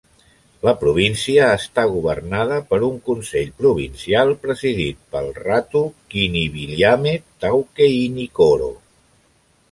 La província està governada per un Consell Provincial, presidit pel Ratu Kiniviliame Taukeinikoro.